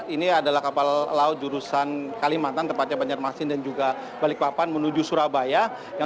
ini adalah kapal laut jurusan kalimantan tepatnya banjarmasin dan juga balikpapan menuju surabaya